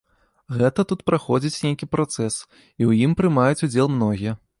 Гэта тут праходзіць нейкі працэс, і ў ім прымаюць удзел многія.